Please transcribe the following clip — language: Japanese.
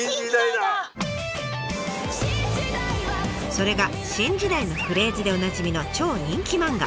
それが「新時代」のフレーズでおなじみの超人気漫画。